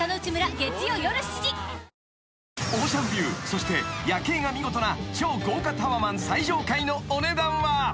そして夜景が見事な超豪華タワマン最上階のお値段は］